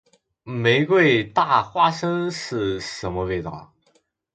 玫瑰大花生是什么味道？